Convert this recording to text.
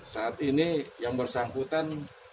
saat ini yang bersangkutan